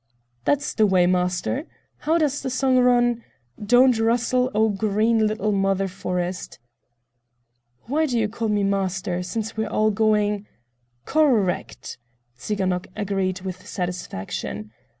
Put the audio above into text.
"That's the way, master! How does the song run? 'Don't rustle, O green little mother forest....'" "Why do you call me 'master,' since we are all going—" "Correct," Tsiganok agreed with satisfaction.